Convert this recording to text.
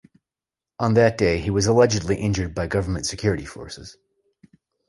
On that day, he was allegedly injured by government security forces.